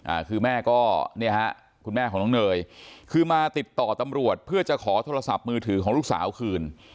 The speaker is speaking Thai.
อ่าคือแม่ก็เนี่ยฮะคุณแม่ของน้องเนยคือมาติดต่อตำรวจเพื่อจะขอโทรศัพท์มือถือของลูกสาวคืน